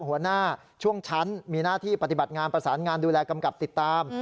หัวหน้าช่วงชั้นมีหน้าที่ปฏิบัติงานประสานงานดูแลกำกับติดตาม